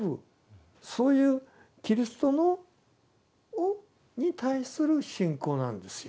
そういうキリストに対する信仰なんですよ。